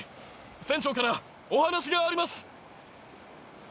船長からお話があります。